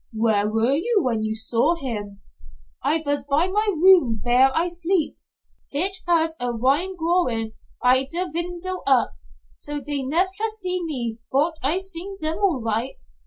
"Where were you when you saw him?" "I vas by my room vere I sleep. It vas a wine growin' by der vindow up, so dey nefer see me, bot I seen dem all right.